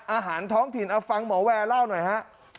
อาหารท้องถิ่นเอาฟังหมอแวร์เล่าหน่อยฮะ